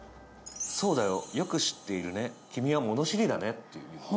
そうだよ、よく知っているね、キミは物知りだねって。